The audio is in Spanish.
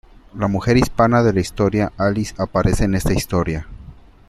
La mujer hispana de la historia Alice aparece en esta historia.